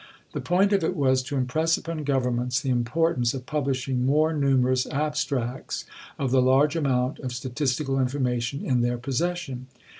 The point of it was to impress upon Governments the importance of publishing more numerous abstracts of the large amount of statistical information in their possession.